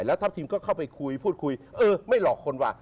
แล้วทัพทีมก็เข้าไปคุยพูดคุยเออไม่หลอกคนว่ะ